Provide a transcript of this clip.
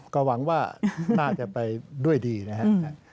ก็หวังว่าน่าจะไปด้วยดีนะครับ